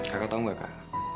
kakak tau nggak kak